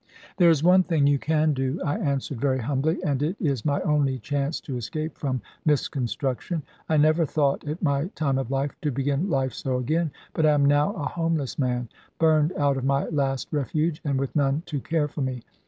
"There is one thing you can do," I answered very humbly; "and it is my only chance to escape from misconstruction. I never thought, at my time of life, to begin life so again. But I am now a homeless man, burned out of my latest refuge, and with none to care for me.